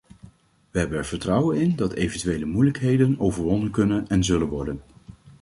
We hebben er vertrouwen in dat eventuele moeilijkheden overwonnen kunnen en zullen worden.